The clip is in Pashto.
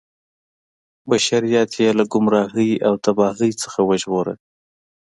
بشریت یې له ګمراهۍ او تباهۍ څخه وژغوره.